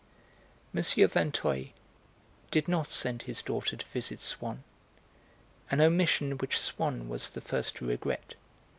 M. Vinteuil did not send his daughter to visit Swann, an omission which Swann was the first to regret.